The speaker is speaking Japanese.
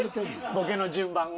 ボケの順番を？